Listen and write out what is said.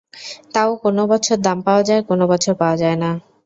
তাও কোনো বছর দাম পাওয়া যায়, কোনো বছর পাওয়া যায় না।